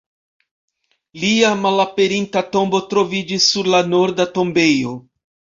Lia malaperinta tombo troviĝis sur la Norda tombejo.